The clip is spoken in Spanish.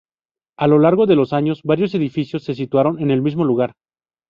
A lo largo de los años varios edificios se situaron en el mismo lugar.